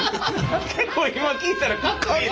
結構今聴いたらかっこいい。